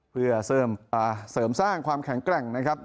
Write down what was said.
เพื่อเสริมสร้างความแข็งแกร่งนะครับ